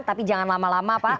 tapi jangan lama lama pak